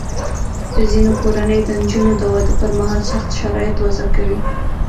د ځینو کورنیو د نجونو د واده پر مهال سخت شرایط وضع کوي.